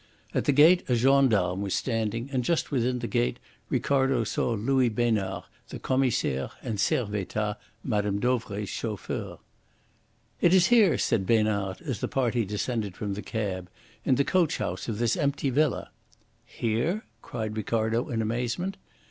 At the gate a gendarme was standing, and just within the gate Ricardo saw Louis Besnard, the Commissaire, and Servettaz, Mme. Dauvray's chauffeur. "It is here," said Besnard, as the party descended from the cab, "in the coach house of this empty villa." "Here?" cried Ricardo in amazement.